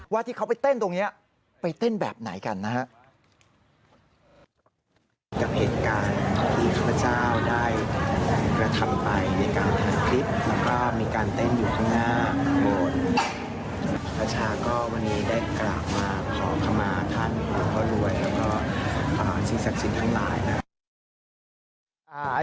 ที่เขาไปเต้นตรงนี้ไปเต้นแบบไหนกันนะฮะ